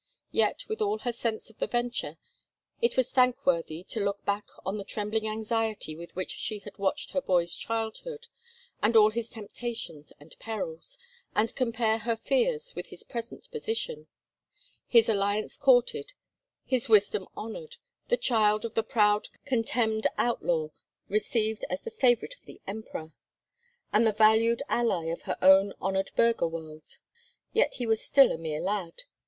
Yet, with all her sense of the venture, it was thankworthy to look back on the trembling anxiety with which she had watched her boy's childhood, and all his temptations and perils, and compare her fears with his present position: his alliance courted, his wisdom honoured, the child of the proud, contemned outlaw received as the favourite of the Emperor, and the valued ally of her own honoured burgher world. Yet he was still a mere lad.